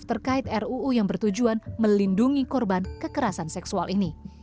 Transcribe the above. terkait ruu yang bertujuan melindungi korban kekerasan seksual ini